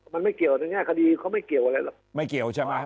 มันไม่เกี่ยวในแง่คดีเขาไม่เกี่ยวอะไร